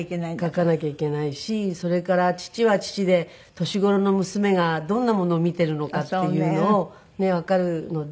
書かなきゃいけないしそれから父は父で年頃の娘がどんなものを見ているのかっていうのをねえわかるので。